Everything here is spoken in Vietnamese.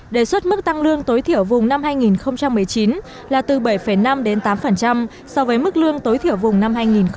đề xuất mức tăng lương tối thiểu vùng năm hai nghìn một mươi chín là từ bảy năm đến tám so với mức lương tối thiểu vùng năm hai nghìn một mươi chín